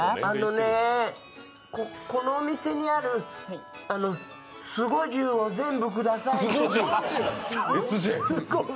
あのね、このお店にある、凄十を全部ください。